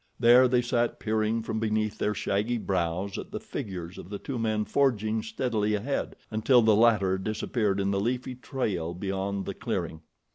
There they sat peering from beneath their shaggy brows at the figures of the two men forging steadily ahead, until the latter disappeared in the leafy trail beyond the clearing.